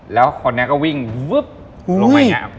แล้วคนนี้ก็วิ่งวึ๊บลงไปอย่างนี้